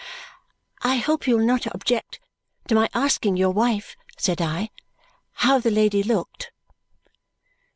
"I hope you will not object to my asking your wife," said I, "how the lady looked."